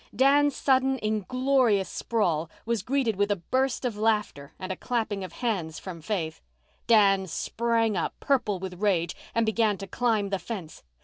Dan's sudden inglorious sprawl was greeted with a burst of laughter and a clapping of hands from Faith. Dan sprang up, purple with rage, and began to climb the fence.